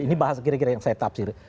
ini bahas kira kira yang saya tafsir